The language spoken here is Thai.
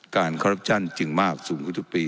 การทรยศจริงมากสูงขึ้นทุกปี